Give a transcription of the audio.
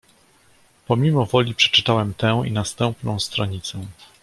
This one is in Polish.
"Pomimo woli przeczytałem tę i następną stronicę."